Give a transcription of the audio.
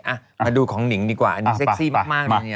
อ่ะมาดูของหนิงดีกว่าอันนี้เซ็กซี่มากเลย